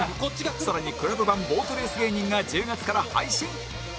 更に ＣＬＵＢ 版ボートレース芸人が１０月から配信